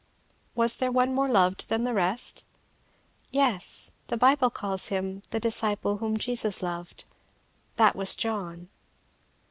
"Was there one more loved than the rest?" "Yes the Bible calls him 'the disciple whom Jesus loved.' That was John."